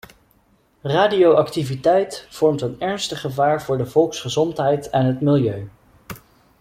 Radioactiviteit vormt een ernstig gevaar voor de volksgezondheid en het milieu.